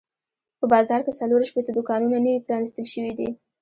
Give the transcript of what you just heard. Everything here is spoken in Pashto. په بازار کې څلور شپېته دوکانونه نوي پرانیستل شوي دي.